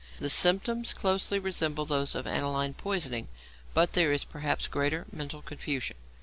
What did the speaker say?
The symptoms closely resemble those of aniline poisoning, but there is perhaps greater mental confusion.